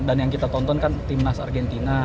yang kita tonton kan timnas argentina